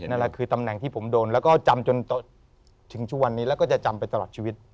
นั่นแหละคือตำแหน่งที่ผมโดนแล้วก็จำจนถึงทุกวันนี้แล้วก็จะจำไปตลอดชีวิต